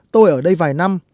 tôi ở đây vài năm